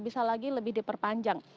bisa lagi lebih diperpanjang